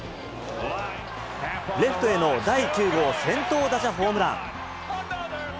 レフトへの第９号先頭打者ホームラン。